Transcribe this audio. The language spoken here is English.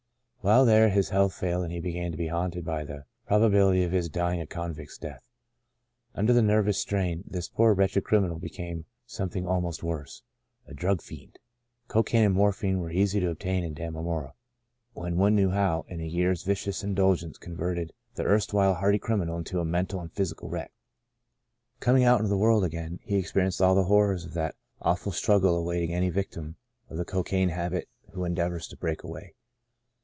While there his health failed and he began to be haunted by the probabil ity of his dying a convict's death. Under the nervous strain, this poor wretched crimi nal became something almost worse — a drug fiend. Cocaine and morphine were easy to loo Sons of Ishmael obtain in Damemora, when one knew how, and a year's vicious indulgence converted the erstwhile hardy criminal into a mental and physical wreck. Coming out into the world again, he ex perienced all the horrors of that awful strug gle awaiting any victim of the cocaine habit who endeavours to " break away."